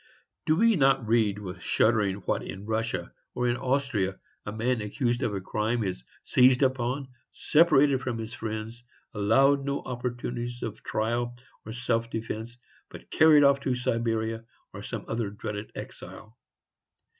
Do we not read with shuddering that in Russia, or in Austria, a man accused of crime is seized upon, separated from his friends, allowed no opportunities of trial or of self defence, but hurried off to Siberia, or some other dreaded exile?